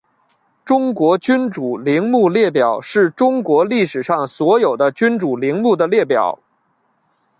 中国君主陵墓列表是中国历史上所有的君主陵墓的列表。